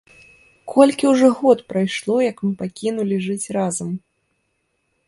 Колькі ўжо год прайшло, як мы пакінулі жыць разам!